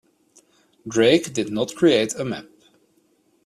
Drake did not create a map.